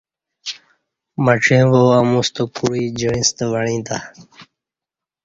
مڄیں وا اموستہ کوعی جعیستہ وعیں تہ